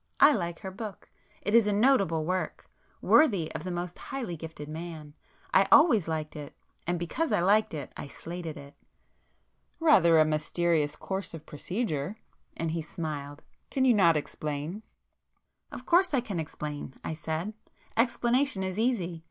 I like her book. It is a noble work,—worthy of the most highly gifted man. I always liked it—and because I liked it, I slated it." "Rather a mysterious course of procedure!" and he smiled; "Can you not explain?" "Of course I can explain,"—I said—"Explanation is easy.